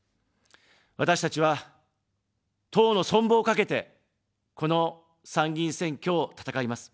私たちは、党の存亡を懸けて、この参議院選挙を戦います。